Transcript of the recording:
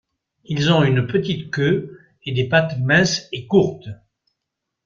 Ils ont une petite queue et des pattes minces et courtes.